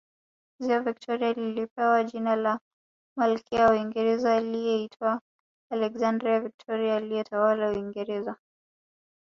Ziwa Victoria lilipewa jina la Malkia wa Uingereza aliyeitwa Alexandrina Victoria aliyetawala Uingereza